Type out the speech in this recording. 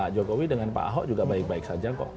pak jokowi dengan pak ahok juga baik baik saja kok